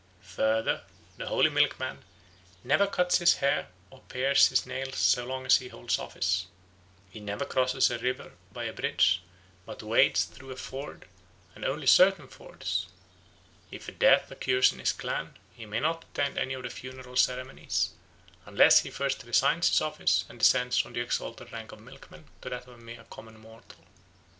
Further, the holy milkman never cuts his hair or pares his nails so long as he holds office; he never crosses a river by a bridge, but wades through a ford and only certain fords; if a death occurs in his clan, he may not attend any of the funeral ceremonies, unless he first resigns his office and descends from the exalted rank of milkman to that of a mere common mortal.